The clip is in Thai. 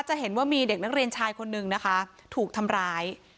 จะเห็นว่ามีเด็กนักเรียนชายคนนึงนะคะถูกทำร้าย